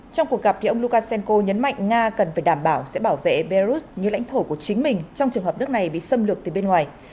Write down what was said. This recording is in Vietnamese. trong cuộc gặp ông lucashenko nhấn mạnh nga cần phải đảm bảo sẽ bảo vệ belarus như lãnh thổ của chính mình trong trường hợp nước này bị xâm lược từ bên ngoài